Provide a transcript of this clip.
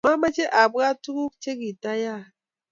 mamache abwat tukuk che kitayaak